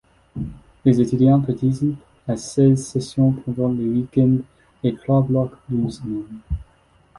Les étudiants participent à seize session pendant les week-ends et trois blocs d'une semaine.